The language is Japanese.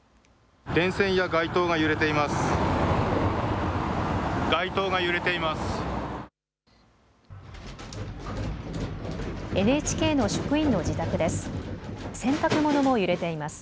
電線や街灯が揺れています。